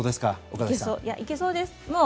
いけそうですか？